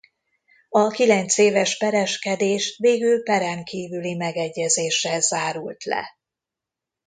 A kilencéves pereskedés végül peren kívüli megegyezéssel zárult le.